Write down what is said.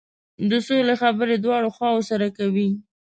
د سولې خبرې دواړه خواوې سره کوي.